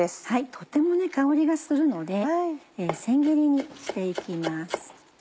とっても香りがするので千切りにして行きます。